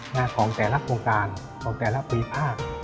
หน้าของแต่ละโครงการของแต่ละปีภาค